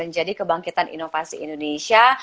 jadi kebangkitan inovasi indonesia